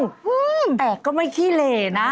อืมแต่ก็ไม่ขี้เหลนะ